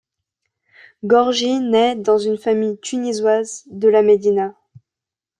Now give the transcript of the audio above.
Gorgi naît dans une famille tunisoise de la médina.